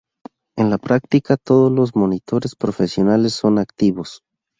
En la práctica, todos los monitores profesionales son activos.